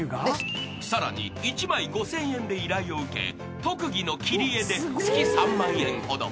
［さらに１枚５，０００円で依頼を受け特技の切り絵で月３万円ほど］